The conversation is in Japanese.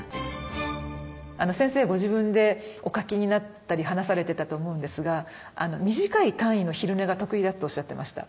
先生ご自分でお書きになったり話されてたと思うんですが「短い単位の昼寝が得意だ」っておっしゃってました。